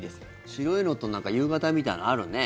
白いのと夕方みたいなのあるね。